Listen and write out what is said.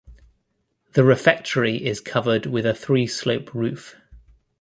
The refectory is covered with a three-slope roof.